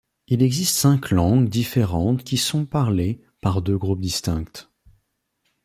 Il existe cinq langues différentes qui sont parlées par deux groupes distincts.